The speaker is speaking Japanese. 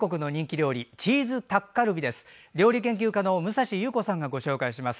料理研究家の武蔵裕子さんがご紹介します。